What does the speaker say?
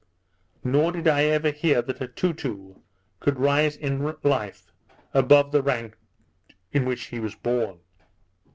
Nor did I ever hear that a Toutou could rise in life above the rank in which he was born.